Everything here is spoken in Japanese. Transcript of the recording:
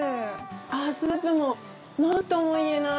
あぁスープもなんとも言えない。